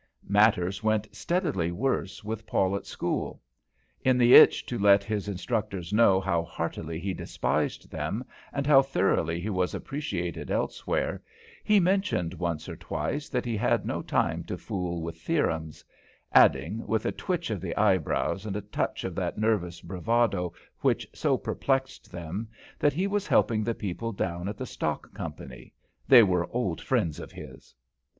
Matters went steadily worse with Paul at school. In the itch to let his instructors know how heartily he despised them, and how thoroughly he was appreciated elsewhere, he mentioned once or twice that he had no time to fool with theorems; adding with a twitch of the eyebrows and a touch of that nervous bravado which so perplexed them that he was helping the people down at the stock company; they were old friends of his.